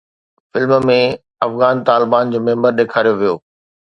film ۾ Afghan Taliban جو member ڏيکاريو ويو